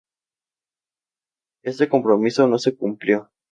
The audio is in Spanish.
Este compromiso no se cumplió.